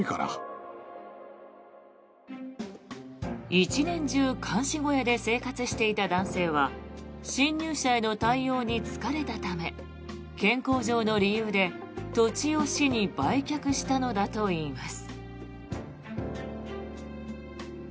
一年中監視小屋で生活していた男性は侵入者への対応に疲れたため健康上の理由で、土地を市に売却したのだといいます。